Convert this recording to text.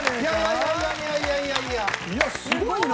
いやすごいな。